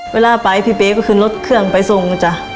เวลาไปพี่เป๊ก็ขึ้นรถเครื่องไปส่งจ้ะ